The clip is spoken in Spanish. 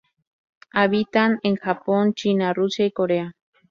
Habita en Japón, China, Rusia y Corea.